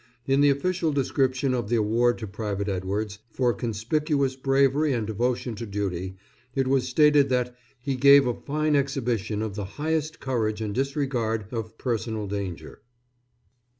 In the official description of the award to Private Edwards, "for conspicuous bravery and devotion to duty," it was stated that "he gave a fine exhibition of the highest courage and disregard of personal danger."